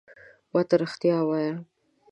ما ته رېښتیا ووایه !